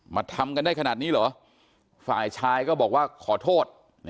ทำกันได้ขนาดนี้เหรอฝ่ายชายก็บอกว่าขอโทษ